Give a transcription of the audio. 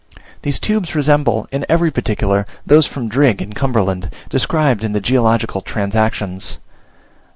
These tubes resemble in every particular those from Drigg in Cumberland, described in the Geological Transactions.